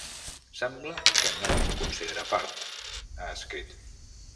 Sembla que no em considera part, ha escrit.